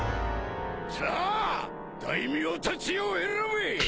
さあ大名たちよ選べ！